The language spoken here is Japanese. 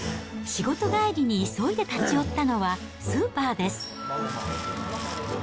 仕事帰りに急いで立ち寄ったのはスーパーです。